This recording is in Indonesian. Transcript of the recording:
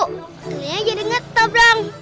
akhirnya jadi ngetop dong